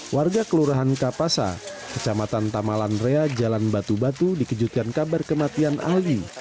warga kelurahan kapasa kecamatan tamalandrea jalan batu batu dikejutkan kabar kematian ali